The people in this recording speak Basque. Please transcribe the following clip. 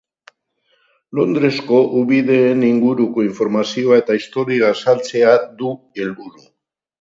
Londresko ubideen inguruko informazioa eta historia azaltzea du helburu.